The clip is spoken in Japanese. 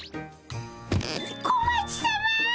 小町さま！